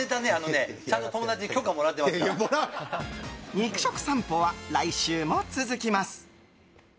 肉食さんぽは来週も続きます。